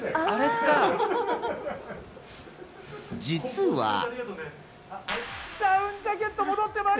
実は。